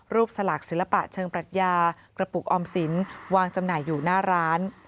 สลักศิลปะเชิงปรัชญากระปุกออมสินวางจำหน่ายอยู่หน้าร้าน